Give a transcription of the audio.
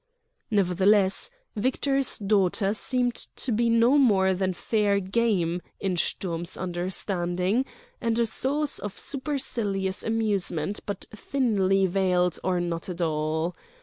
Nevertheless, Victor's daughter seemed to be no more than fair game, in Sturm's understanding, and a source of supercilious amusement but thinly veiled or not at all.